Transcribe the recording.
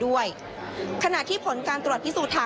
โดยในวันนี้นะคะพนักงานสอบสวนนั้นก็ได้ปล่อยตัวนายเปรมชัยกลับไปค่ะ